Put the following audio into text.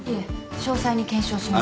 詳細に検証します。